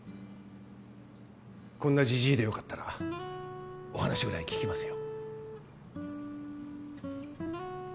こんなジジイで良かったらお話ぐらい聞きますよ。